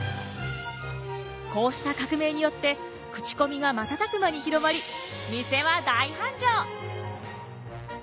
こうした革命によって口コミが瞬く間に広まり店は大繁盛！